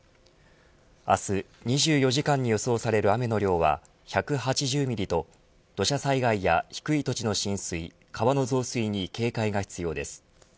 明日２４時間に予想される雨の量は１８０ミリと土砂災害や低い土地の浸水川の増水に警戒が必要です。